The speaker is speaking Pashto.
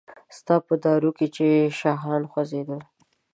ستا په دارو کې چې شاهان خوځیدل